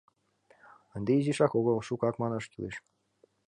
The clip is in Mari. Ынде изишак огыл — шукак, манаш кӱлеш.